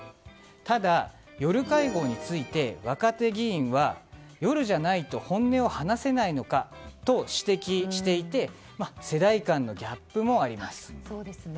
ただ、夜会合について若手議員は夜じゃないと本音を話せないのかと指摘していて世代間のギャップもあります。